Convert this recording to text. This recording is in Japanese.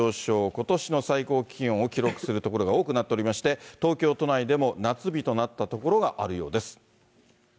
ことしの最高気温を記録する所が多くなっておりまして、東京都内でも夏日となった所があるようです。